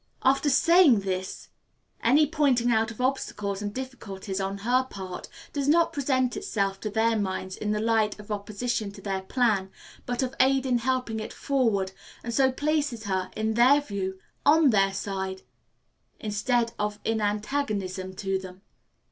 After saying this, any pointing out of obstacles and difficulties on her part does not present itself to their minds in the light of opposition to their plan, but of aid in helping it forward, and so places her, in their view, on their side, instead of in antagonism to them.